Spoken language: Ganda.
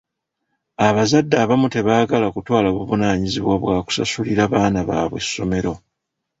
Abazadde abamu tebaagala kutwala buvunaanyizibwa bwa kusasulira baana baabwe ssomero .